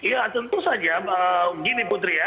ya tentu saja gini putri ya